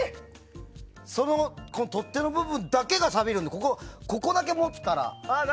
その取っ手の部分だけがさびるのでここだけ持つからさ。